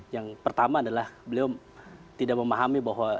yang pertama adalah beliau tidak memahami bahwa